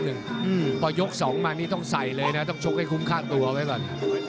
พอยก๒มานี่ต้องใส่เลยนะต้องชกให้คุ้มค่าตัวไว้ก่อน